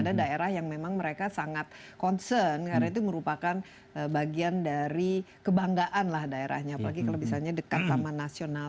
ada daerah yang memang mereka sangat concern karena itu merupakan bagian dari kebanggaan lah daerahnya apalagi kalau misalnya dekat taman nasional